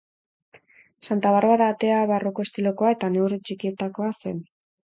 Santa Barbara Atea barroko estilokoa eta neurri txikietakoa zen.